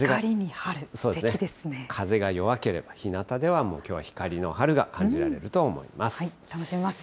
風が弱ければ、ひなたではもうきょうは光の春が感じられると思います。